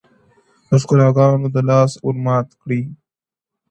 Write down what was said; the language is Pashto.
• د ښكلاگانــــو د لاس ور مــــــــــات كـــړی ـ